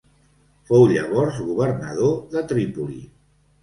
Fou llavors governador de Trípoli.